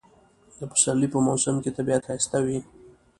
د پسرلی په موسم کې طبیعت ښایسته وي